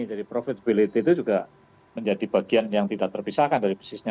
jadi profitability itu juga menjadi bagian yang tidak terpisahkan dari bisnisnya